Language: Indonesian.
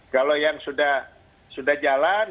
kalau yang sudah jalan